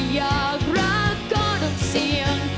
อยากรักก็ต้องเสี่ยง